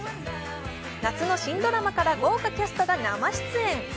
夏の新ドラマから豪華キャストが生出演。